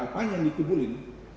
apanya yang dikibulin